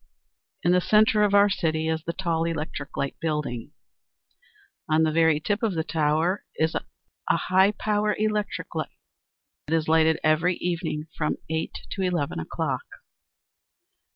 In the center of our city is the tall Electric Light Building. On the very tip of the tower is a high power electric light. It is lighted every evening from eight to eleven o'clock.